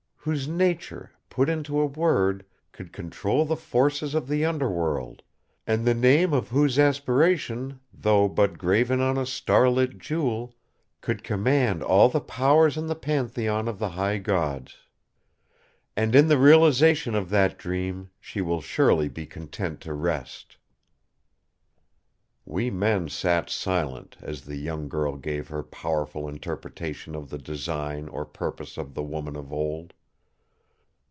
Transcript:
Whose nature, put into a word, could control the forces of the Under World; and the name of whose aspiration, though but graven on a star lit jewel, could command all the powers in the Pantheon of the High Gods. "And in the realisation of that dream she will surely be content to rest!" We men sat silent, as the young girl gave her powerful interpretation of the design or purpose of the woman of old.